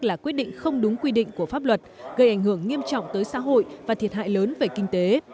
là quyết định không đúng quy định của pháp luật gây ảnh hưởng nghiêm trọng tới xã hội và thiệt hại lớn về kinh tế